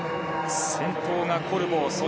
先頭がコルボー。